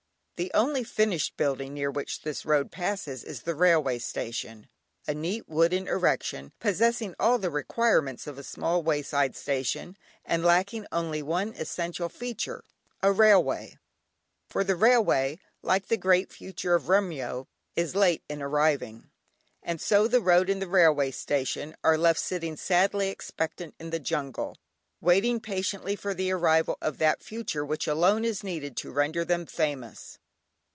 The only finished building near which this road passes is the railway station, a neat wooden erection, possessing all the requirements of a small wayside station, and lacking only one essential feature a railway, for the railway, like the great future of Remyo, is late in arriving, and so the road and the railway station are left sitting sadly expectant in the jungle, waiting patiently for the arrival of that future which alone is needed to render them famous.